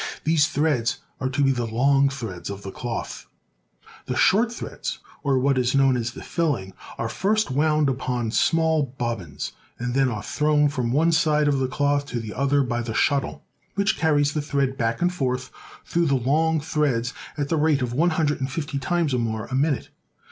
These threads are to be the long threads of the cloth. The short threads, or what is known as the filling, are first wound upon small bobbins, and then are thrown from one side of the cloth to the other by the shuttle, which carries the thread back and forth through the long threads at the rate of one hundred and fifty times or more a min ute.